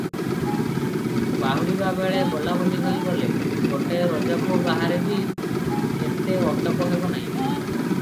ବାହୁଡ଼ିବା ବେଳେ ବୋଲାବୋଲି ହୋଇ ଗଲେ, ଗୋଟାଏ ରଜାପୁଅ ବାହାରେ ବି ଏତେ ଆଟୋପ ହେବ ନାହିଁ ।